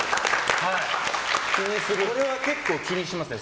これは結構気にしますね。